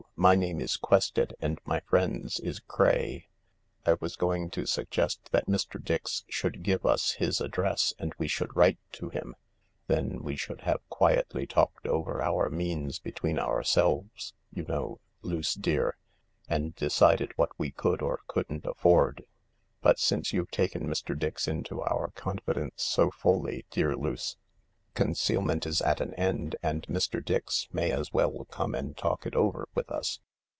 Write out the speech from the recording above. My name is Quested and my friend's is Craye. I was going to suggest that Mr. Dix should give us his address and we should write to him ; then we should have quietly talked over our means between ourselves, you know, Luce dear, and decided what we could or couldn't afford. But since you've taken Mr. Dix into our confidence so fully, dear Luce, concealment is at an end, and Mr. Dix may as well come and talk it over with us.